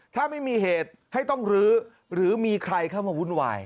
ถ้าไม่มีเหตุให้ต้องลื้อหรือมีใครเข้ามาวุ่นวาย